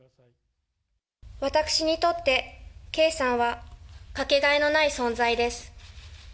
私にとって圭さんは、掛けがえのない存在です。